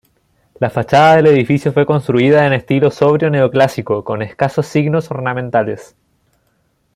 La fachada del edificio fue construida en estilo sobrio neoclásico, con escasos signos ornamentales.